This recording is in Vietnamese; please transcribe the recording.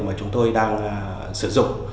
mà chúng tôi đang sử dụng